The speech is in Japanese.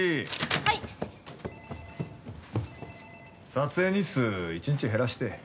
撮影日数１日減らして。